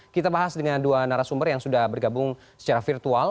kita bahas dengan dua narasumber yang sudah bergabung secara virtual